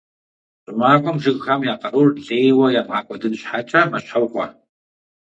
Щӏымахуэм жыгхэм я къарур лейуэ ямыгъэкӏуэдын щхьэкӏэ «мэщхьэукъуэ».